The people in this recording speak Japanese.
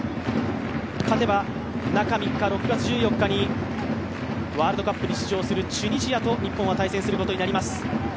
勝てば中３日、６月１４日にワールドカップに出場するチュニジアと日本は対戦することになります。